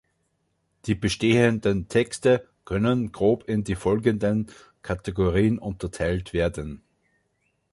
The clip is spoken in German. Die bestehenden Texte können grob in die folgenden Kategorien unterteilt werden.